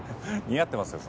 似合ってますよ